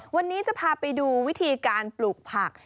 วันนี้จะพาไปดูวิธีการปลูกผัก